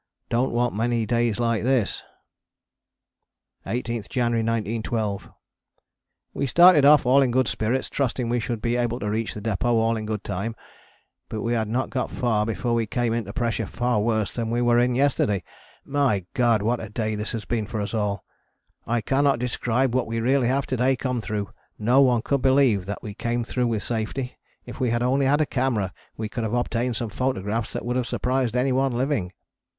Dont want many days like this. [Illustration: BELOW THE CLOUDMAKER] 18th January 1912. We started off all in good spirits trusting we should be able to reach the depôt all in good time, but we had not got far before we came into pressure far worse than we were in yesterday. My God! what a day this have been for us all. I cannot describe what we really have to day come through, no one could believe that we came through with safety, if we had only had a camera we could have obtained some photographs that would have surprised anyone living.